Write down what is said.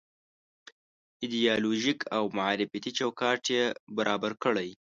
ایدیالوژيک او معرفتي چوکاټ یې برابر کړی.